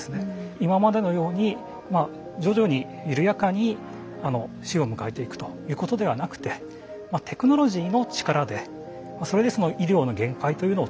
今までのように徐々に緩やかに死を迎えていくということではなくてテクノロジーの力でそれで医療の限界というのを突破したい。